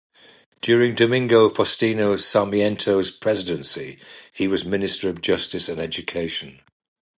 During Domingo Faustino Sarmiento's presidency, he was Minister of Justice and Education.